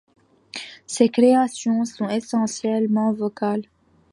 Ses créations sont essentiellement vocales.